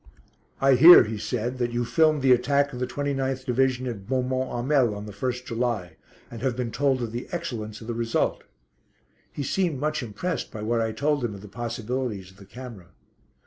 "I hear," he said, "that you filmed the attack of the 29th Division at Beaumont Hamel on the 1st July, and have been told of the excellence of the result." He seemed much impressed by what I told him of the possibilities of the camera.